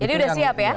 jadi sudah siap ya